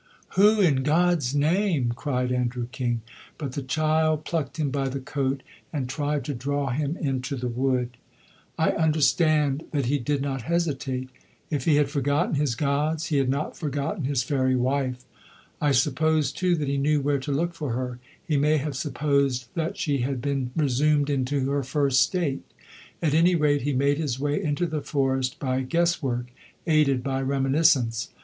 "Who in God's name ?" cried Andrew King; but the child plucked him by the coat and tried to draw him into the wood. I understand that he did not hesitate. If he had forgotten his gods he had not forgotten his fairy wife. I suppose, too, that he knew where to look for her; he may have supposed that she had been resumed into her first state. At any rate, he made his way into the forest by guess work, aided by reminiscence.